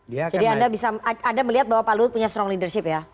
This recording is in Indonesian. jadi anda bisa melihat bahwa pak luhut punya strong leadership ya